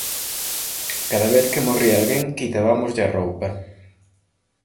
Cada vez que morría alguén, quitabámoslle a roupa.